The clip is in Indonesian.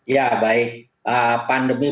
ya baik pandemi